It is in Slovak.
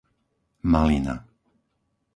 Malina